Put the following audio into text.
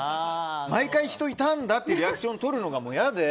毎回人いたんだってリアクションをとるのが嫌で。